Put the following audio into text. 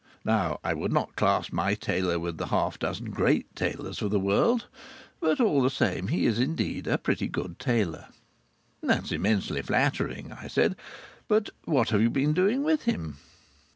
Now I would not class my tailor with the half dozen great tailors of the world, but all the same he is indeed a, pretty good tailor. "That's immensely flattering," I said. "But what have you been doing with him?"